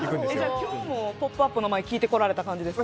今日も「ポップＵＰ！」の前聴いてこられた感じですか？